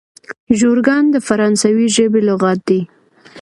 ژورګان د فرانسوي ژبي لغات دئ.